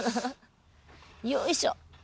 よいしょ。